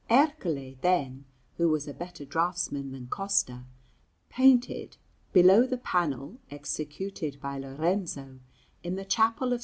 Ercole, then, who was a better draughtsman than Costa, painted, below the panel executed by Lorenzo in the Chapel of S.